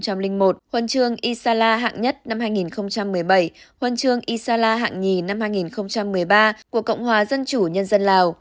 huân chương isala hạng nhất năm hai nghìn một mươi bảy huân chương isala hạng nhì năm hai nghìn một mươi ba của cộng hòa dân chủ nhân dân lào